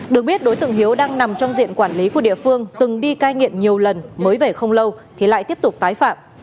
được biết đối tượng hiếu đang nằm trong diện quản lý của địa phương từng đi cai nghiện nhiều lần mới về không lâu thì lại tiếp tục tái phạm